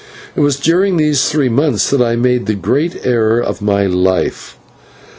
It was during these months that I made the great error of my life.